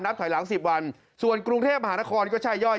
ถอยหลัง๑๐วันส่วนกรุงเทพมหานครก็ใช่ย่อย